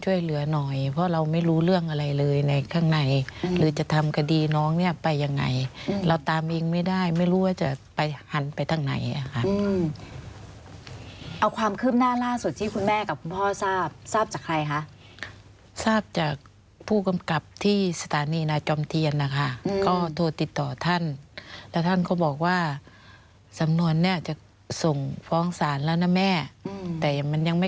ช่วยเหลือหน่อยเพราะเราไม่รู้เรื่องอะไรเลยในข้างในหรือจะทำคดีน้องเนี่ยไปยังไงเราตามเองไม่ได้ไม่รู้ว่าจะไปหันไปทางไหนอ่ะค่ะเอาความคืบหน้าล่าสุดที่คุณแม่กับคุณพ่อทราบทราบจากใครคะทราบจากผู้กำกับที่สถานีนาจอมเทียนนะคะก็โทรติดต่อท่านแล้วท่านก็บอกว่าสำนวนเนี่ยจะส่งฟ้องศาลแล้วนะแม่แต่มันยังไม่